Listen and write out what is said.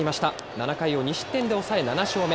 ７回を２失点で抑え、７勝目。